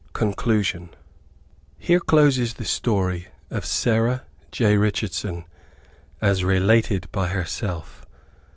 CONCLUSION. Here closes the history of Sarah J. Richardson, as related by herself.